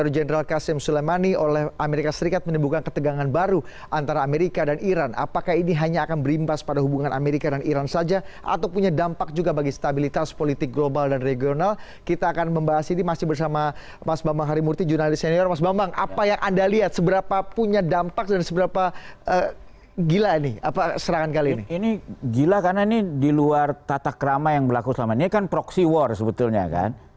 gila karena ini di luar tata krama yang berlaku selama ini kan proxy war sebetulnya kan